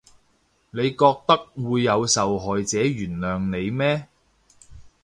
你覺得會有受害者原諒你咩？